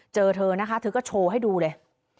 เจอเธอนะคะเธอก็โชว์ให้ดูเลย